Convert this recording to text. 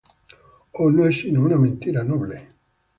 Oh, no es sino una mentira noble.